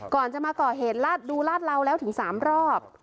ก่อนจะมาก่อเหตุลาดดูลาดเหลาแล้วถึง๓รอบ